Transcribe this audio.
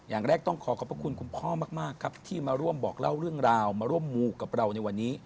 อย่างแรกต้องขอขอบพระคุณคุณพ่อมากครับที่มาร่วมบอกเล่าเรื่องราวมาร่วมมูกับเราในวันนี้